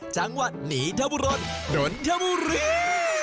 จังหวัดหนีทบุรณนนทบุรี